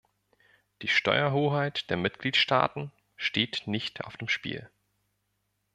Die Steuerhoheit der Mitgliedstaaten steht nicht auf dem Spiel.